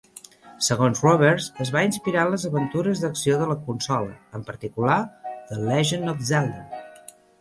Segons Roberts, es va inspirar en les aventures d'acció de la consola, en particular "The Legend of Zelda".